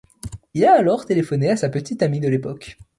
Il a alors téléphoné à sa petite amie de l'époque.